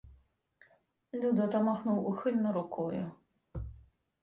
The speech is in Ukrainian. Людота махнув ухильно рукою.